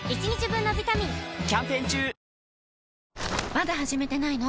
まだ始めてないの？